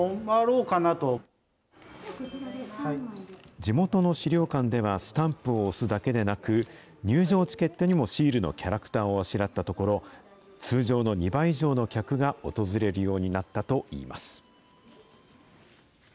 地元の資料館では、スタンプを押すだけでなく、入場チケットにもシールのキャラクターをあしらったところ、通常の２倍以上の客が訪れるようになったといいます。